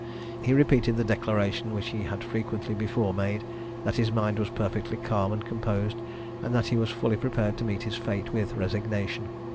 He repeated the declaration which he had frequently before made, that his mind was perfectly calm and composed, and that he was fully prepared to meet his fate with resignation.